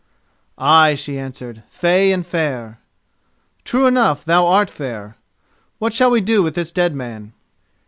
"Ay," she answered, "fey and fair." "True enough thou art fair. What shall we do with this dead man?"